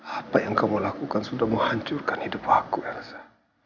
apa yang kamu lakukan sudah menghancurkan hidup aku elsa